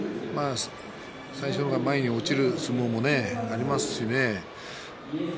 最初は前に落ちる相撲もありますしね。